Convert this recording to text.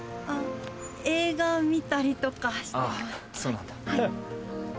映画見たりとかしてます。